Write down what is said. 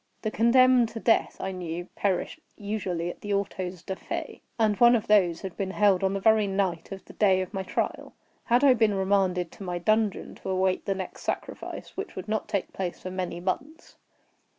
The condemned to death, I knew, perished usually at the autos da fe, and one of these had been held on the very night of the day of my trial. Had I been remanded to my dungeon, to await the next sacrifice, which would not take place for many months?